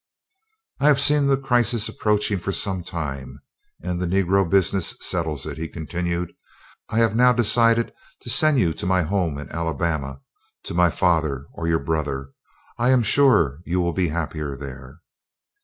"I have seen the crisis approaching for some time, and the Negro business settles it," he continued. "I have now decided to send you to my home in Alabama, to my father or your brother. I am sure you will be happier there."